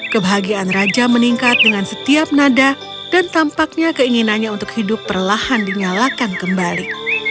kebahagiaan raja meningkat dengan setiap nada dan tampaknya keinginannya untuk hidup perlahan dinyalakan kembali